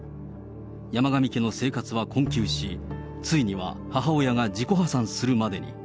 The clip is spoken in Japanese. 山上家の生活は困窮し、ついには母親が自己破産するまでに。